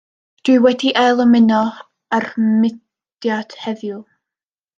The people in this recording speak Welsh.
Dw i wedi ail ymuno â'r mudiad heddiw.